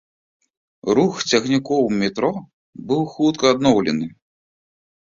Рух цягнікоў метро быў хутка адноўлены.